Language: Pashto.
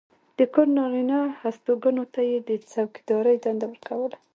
د کور نارینه هستوګنو ته یې د څوکېدارۍ دنده ورکوله.